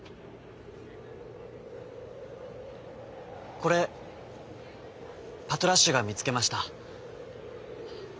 「これパトラッシュがみつけました」。